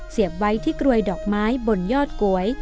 เสียบไว้ที่กรวยดอกไม้บนยอดโกย